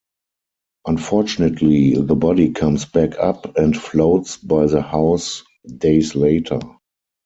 Unfortunately, the body comes back up and floats by the house days later.